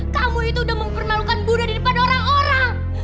kamu itu udah mempermalukan bunda di depan orang orang